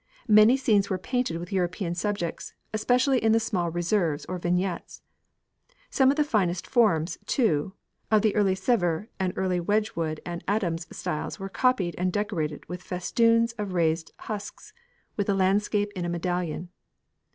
Many scenes were painted with European subjects, especially in the small reserves or vignettes. Some of the finest forms, too, of the early S├©vres and early Wedgwood and Adams' styles were copied and decorated with festoons of raised husks with a landscape in a medallion.